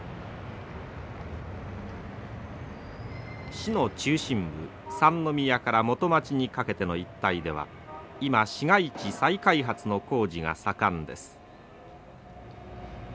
市の中心部三宮から元町にかけての一帯では今市街地再開発の工事が盛んです。